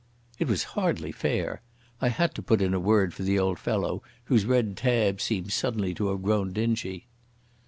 It was hardly fair. I had to put in a word for the old fellow, whose red tabs seemed suddenly to have grown dingy.